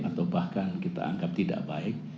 atau bahkan kita anggap tidak baik